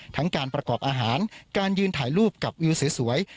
ทั้งการประกอบอาหารการยืนถ่ายรูปกับวิวสวย